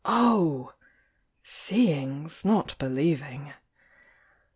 Oh! seeing's not believing!